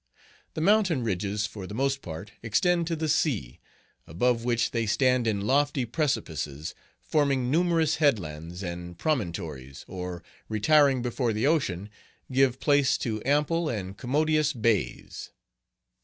The mountain ridges for the most part extend to the sea, above which they stand in lofty precipices, forming numerous headlands and promontories, or, retiring before the ocean, give place to ample and commodious bays.